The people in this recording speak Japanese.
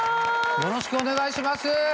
よろしくお願いします